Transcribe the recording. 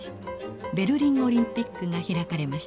ベルリンオリンピックが開かれました。